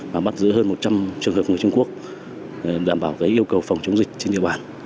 và bắt giữ hơn một trăm linh trường hợp người trung quốc đảm bảo yêu cầu phòng chống dịch trên địa bàn